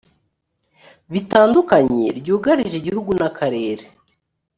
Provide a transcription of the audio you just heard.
bitandukanye byugarije igihugu n akarere